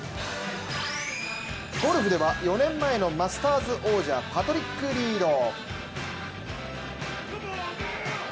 ゴルフでは４年前のマスターズ王者パトリック・リード。